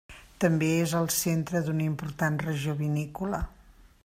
També és el centre d'una important regió vinícola.